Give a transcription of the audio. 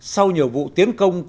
sau nhiều vụ tiến công